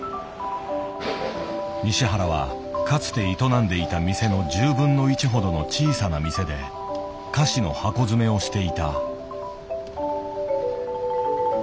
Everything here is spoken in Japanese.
西原はかつて営んでいた店のほどの小さな店で菓子の箱詰めをしていた。